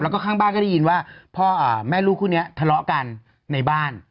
แล้วก็ข้างบ้านก็ได้ยินว่าพ่อแม่ลูกคู่นี้ทะเลาะกันในบ้าน